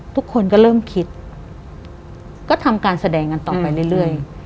ทุกคนก็เริ่มคิดก็ทำการแสดงกันต่อไปเรื่อย